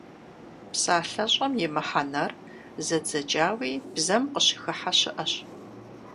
ПсалъэщӀэм и мыхьэнэр зэдзэкӀауи бзэм къыщыхыхьэ щыӏэщ.